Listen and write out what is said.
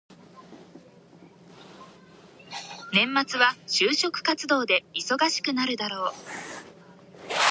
来年は就職活動で忙しくなるだろう。